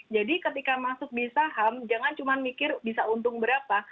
jadi ketika masuk di saham jangan cuma mikir bisa untung berapa